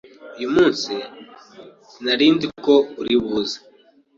uyu munsi sinarizniko uri buze